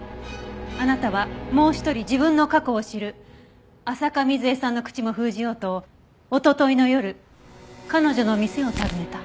あなたはもう一人自分の過去を知る浅香水絵さんの口も封じようとおとといの夜彼女の店を訪ねた。